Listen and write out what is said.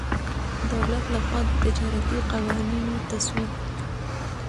دولت له خوا د تجارتي قوانینو تصویب.